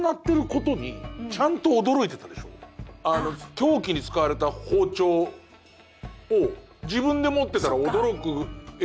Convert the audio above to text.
凶器に使われた包丁を自分で持ってたら驚く演技はいらないもん。